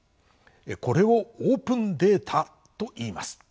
これをオープンデータといいます。